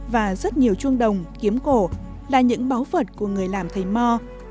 và rất nhiều chuông đồng kiếm cổ là những báu vật của người làm thầy mò